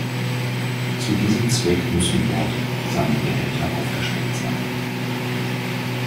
Zu diesem Zweck müssen dort Sammelbehälter aufgestellt sein.